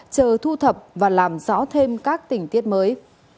chờ thu thập và làm rõ thêm các tình tiết mới